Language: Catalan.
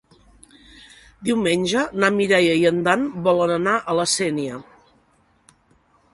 Diumenge na Mireia i en Dan volen anar a la Sénia.